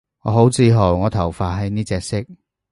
我好自豪我頭髮係呢隻色